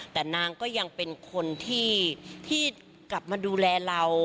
แต่นางก็ยังเป็นคนที่กลับมาดูแลเรา